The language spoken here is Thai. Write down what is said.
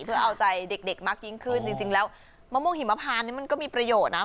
เพื่อเอาใจเด็กมากยิ่งขึ้นจริงแล้วมะม่วงหิมพานนี่มันก็มีประโยชน์นะ